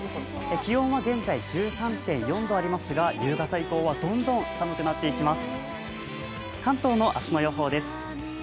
気温は現在１３．４度ありますが、夕方以降はどんどん寒くなっていきます。